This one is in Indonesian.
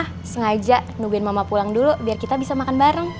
kita sengaja nungguin mama pulang dulu biar kita bisa makan bareng